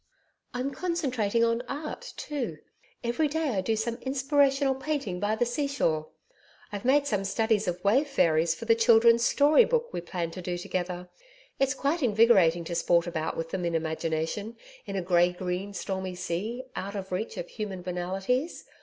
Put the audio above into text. I'm concentrating on Art too. Every day I do some inspirational painting by the sea shore. I've made some studies of Wave fairies for the Children's Story Book we planned to do together. It's quite invigorating to sport about with them in imagination, in a grey green stormy sea, out of reach of human banalities.